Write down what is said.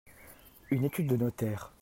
Une étude de notaire.